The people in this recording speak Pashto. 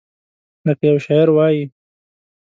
لکه یو شاعر وایي: